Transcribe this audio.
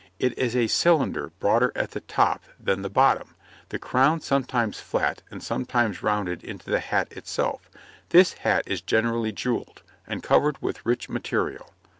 It is a cylinder, broader at the top than the bottom, the crown sometimes flat and sometimes rounded into the hat itself; this hat is generally jewelled, and covered with rich material.